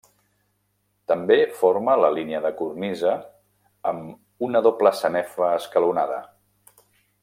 També forma la línia de cornisa amb una doble sanefa escalonada.